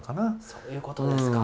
そういうことですか。